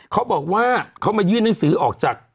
เขาบอกว่าเขามายื่นหนังสือออกจาก